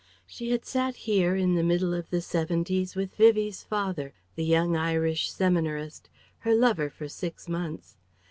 She had sat here in the middle of the 'seventies with Vivie's father, the young Irish seminarist, her lover for six months.